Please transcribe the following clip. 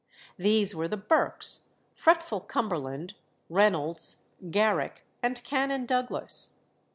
These were the Burkes, fretful Cumberland, Reynolds, Garrick, and Canon Douglas.